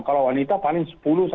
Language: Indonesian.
kalau wanita paling sepuluh lima belas